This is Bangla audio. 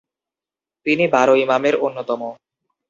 তিনি বারো ইমামের অন্যতম।